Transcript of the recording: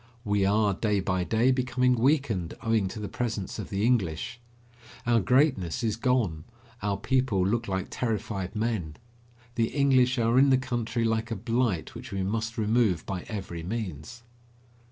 We are, day by day, becoming weakened owing to the presence of the English. Our greatness is gone; our people look like terrified men. The English are in the country like a blight which we must remove by every means.